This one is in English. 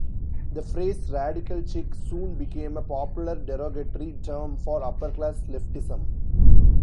The phrase "radical chic" soon became a popular derogatory term for upper-class leftism.